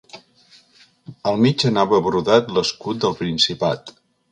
Al mig anava brodat l'escut del principat.